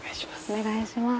お願いします。